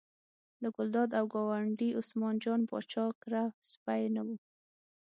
له ګلداد او ګاونډي عثمان جان پاچا کره سپی نه و.